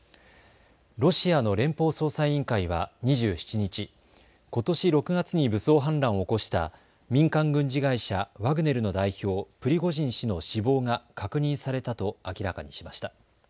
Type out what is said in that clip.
ロシアの連邦捜査委員会は２７日、ことし６月に武装反乱を起こした民間軍事会社、ワグネルの代表、プリゴジン氏の死亡が確認されたと明らかにしました。